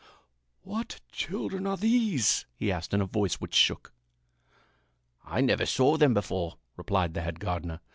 "What children are these?" he asked in a voice which shook. "I never saw them before," replied the head gardener.